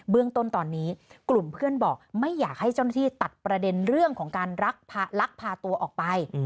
เรื่องต้นตอนนี้กลุ่มเพื่อนบอกไม่อยากให้เจ้าหน้าที่ตัดประเด็นเรื่องของการลักพาตัวออกไป